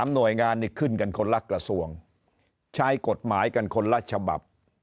หน่วยงานนี่ขึ้นกันคนละกระทรวงใช้กฎหมายกันคนละฉบับ